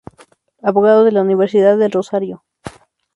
Abogado de la Universidad del Rosario.